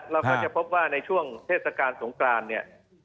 เราก็จะพบว่าในช่วงเทศกาลสงกรานเนี่ย